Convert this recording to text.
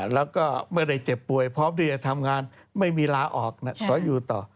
แล้วก็ไม่ได้เจ็บป่วยพร้อมที่จะทำงานไม่มีลาออกขออยู่ต่อ